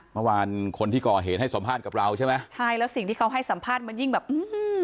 เมื่อวานคนที่ก่อเหตุให้สัมภาษณ์กับเราใช่ไหมใช่แล้วสิ่งที่เขาให้สัมภาษณ์มันยิ่งแบบอื้อหือ